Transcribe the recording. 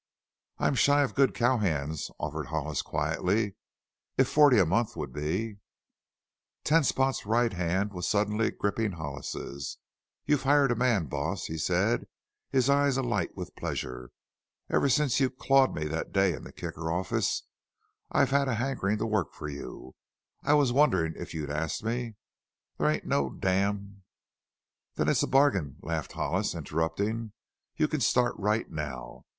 "I'm shy of good cowhands," offered Hollis quietly. "If forty a month would be " Ten Spot's right hand was suddenly gripping Hollis's. "You've hired a man, boss!" he said, his eyes alight with pleasure. "Ever since you clawed me that day in the Kicker office I've had a hankerin' to work for you. I was wonder in' if you'd ast me. There ain't no damn " "Then it's a bargain," laughed Hollis, interrupting. "You can start right now."